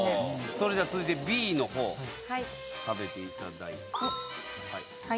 それでは続いてＢのほう食べていただいて。